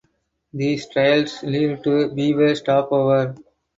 These trails lead to the Beaver Stopover.